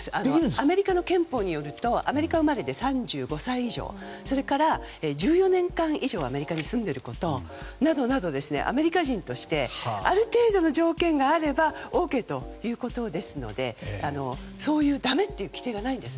アメリカの憲法によるとアメリカ生まれで３５歳以上それから１４年間以上アメリカに住んでいることなどなどアメリカ人としてある程度の条件があればＯＫということですのでそういうだめっていう規定がないんです。